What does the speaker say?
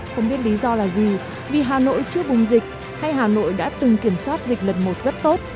không biết lý do là gì vì hà nội chưa bùng dịch hay hà nội đã từng kiểm soát dịch lần một rất tốt